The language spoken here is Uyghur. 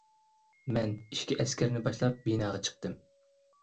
مەن ئىككى ئەسكەرنى باشلاپ بىناغا چىقتىم.